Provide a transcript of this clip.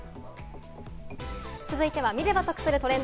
続いては見れば得するトレン